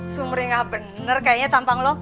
sumri gak bener kayaknya tampang lo